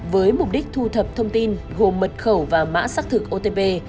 với mục đích thu thập thông tin gồm mật khẩu và mã xác thực otp